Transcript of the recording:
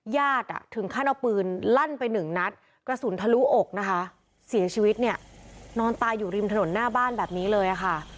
ถึงขั้นเอาปืนลั่นไปหนึ่งนัดกระสุนทะลุอกนะคะเสียชีวิตเนี่ยนอนตายอยู่ริมถนนหน้าบ้านแบบนี้เลยค่ะ